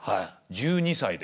１２歳で。